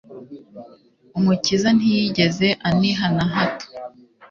Umukiza ntiyigeze aniha na hato.